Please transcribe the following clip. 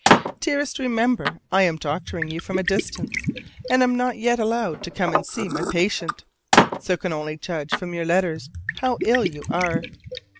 Dearest, remember I am doctoring you from a distance: and am not yet allowed to come and see my patient, so can only judge from your letters how ill you are.